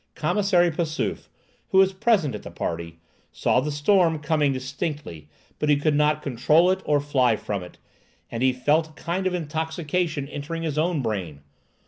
Commissary Passauf, who was present at the party, saw the storm coming distinctly, but he could not control it or fly from it, and he felt a kind of intoxication entering his own brain.